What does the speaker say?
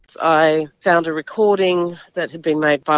saya menemukan rekaman yang telah dibuat oleh nenek saya